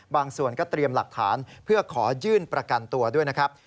ส่วนก็เตรียมหลักฐานเพื่อขอยื่นประกันตัวด้วยนะครับ